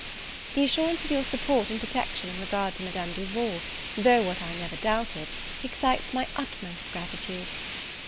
The assurance of your support and protection in regard to Madame Duval, though what I never doubted, excites my utmost gratitude.